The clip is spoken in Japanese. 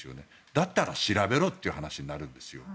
だったら調べろって話になるんですよ。